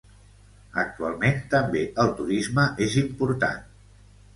Actualment també el turisme és important.